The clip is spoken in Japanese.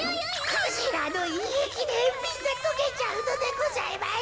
クジラのいえきでみんなとけちゃうのでございます。